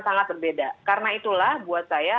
sangat berbeda karena itulah buat saya